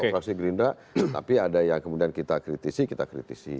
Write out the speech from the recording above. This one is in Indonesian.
fraksi gerindra tapi ada yang kemudian kita kritisi kita kritisi